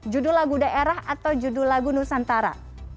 judul lagu daerah atau judul lagu nusantara